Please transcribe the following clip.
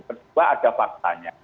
terus ada faktanya